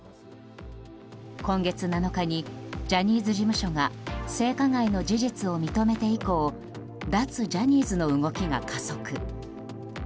今月７日にジャニーズ事務所が性加害の事実を認めて以降脱ジャニーズの動きが加速。